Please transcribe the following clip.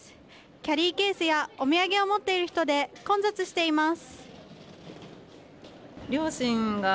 キャリーケースやお土産を持っている人で混雑しています。